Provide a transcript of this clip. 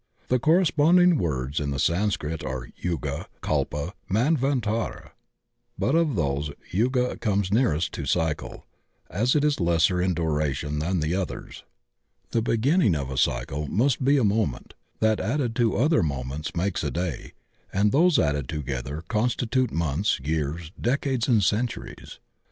The corresponding words in the San scrit are Yuga, Kalpa, Manvantara, but of these yuga comes nearest to cycle, as it is lesser in duration than the others. The beginning of a cycle must be a mo ment, that added to other moments makes a day, and those added together constitute months, years, decades and centuries.